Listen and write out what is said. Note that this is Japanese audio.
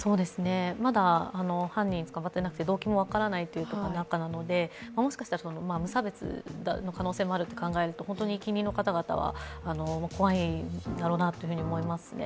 まだ犯人は捕まっていなくて動機も分からないという中なのでもしかしたら無差別の可能性もあると考えると近隣の方々は怖いんだろうなと感じます